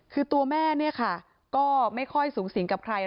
คือตัวแม่เนี่ยค่ะก็ไม่ค่อยสูงสิงกับใคร